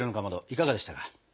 いかがでしたか？